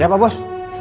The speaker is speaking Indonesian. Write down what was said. ya pak bos